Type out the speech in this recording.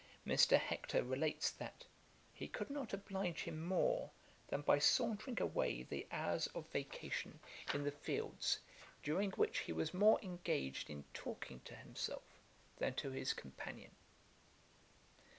Mr. Hector relates, that 'he could not oblige him more than by sauntering away the hours of vacation in the fields, during which he was more engaged in talking to himself than to his companion.'